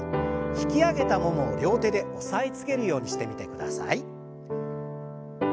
引き上げたももを両手で押さえつけるようにしてみてください。